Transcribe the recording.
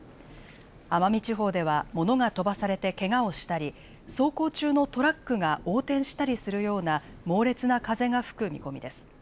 奄美地方では物が飛ばされてけがをしたり、走行中のトラックが横転したりするような猛烈な風が吹く見込みです。